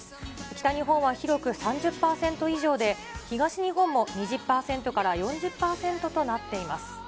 北日本は広く３０％以上で、東日本も２０％から４０％となっています。